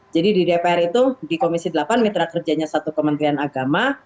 jadi di dpr itu di komisi delapan mitra kerjanya satu kementerian agama